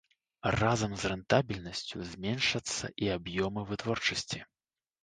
Разам з рэнтабельнасцю зменшацца і аб'ёмы вытворчасці.